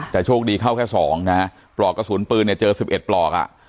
แต่โชคดีเข้าแค่๒นะฮะปลอกกระสุนปืนเนี่ยเจอ๑๑ปลอกอ่ะ